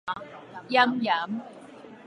嚴嚴